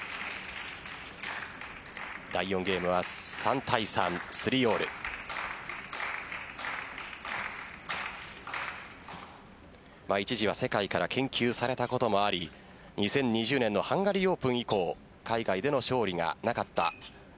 第４ゲームは３対３３オール一時は世界から研究されたこともあり２０２０年のハンガリーオープン以降海外での勝利がなかった。